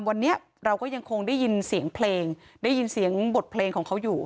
วันนี้เราก็ยังคงได้ยินเสียงเพลงได้ยินเสียงบทเพลงของเขาอยู่